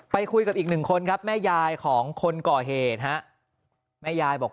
ไปคุยกับอีกหนึ่งคนครับแม่ยายของคนก่อเหตุฮะแม่ยายบอก